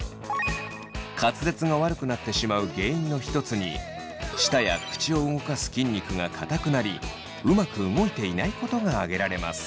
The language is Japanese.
滑舌が悪くなってしまう原因の一つに舌や口を動かす筋肉が硬くなりうまく動いていないことが挙げられます。